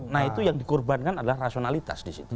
nah itu yang dikorbankan adalah rasionalitas disitu